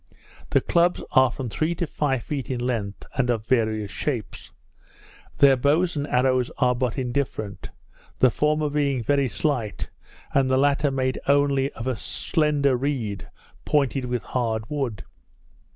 The clubs are from three to five feet in length, and of various shapes. Their bows and arrows are but indifferent; the former being very slight, and the latter only made of a slender reed, pointed with hard wood.